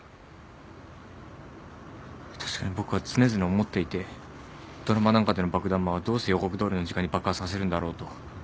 確かに僕は常々思っていてドラマなんかでの爆弾魔はどうして予告どおりの時間に爆発させるんだろうと。